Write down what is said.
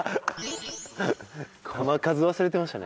球数忘れてましたね。